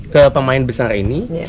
ke pemain besar ini